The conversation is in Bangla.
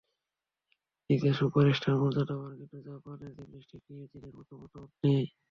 নিজে সুপারস্টারের মর্যাদা পান, কিন্তু জাপানে জিমন্যাস্টিকস নিয়ে চীনের মতো মাতামাতি নেই।